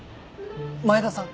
前田さん？